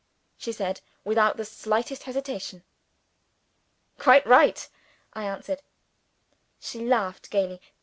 she said, without the slightest hesitation. "Quite right," I answered. She laughed gaily.